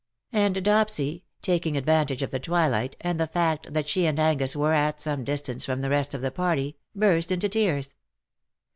'' And Dopsy, taking advantage of the twilight, and the fact that she and Angus were at some distance from the rest of the party, burst into tears.